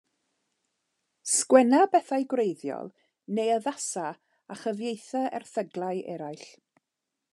Sgwenna bethau gwreiddiol neu addasa a chyfieitha erthyglau eraill.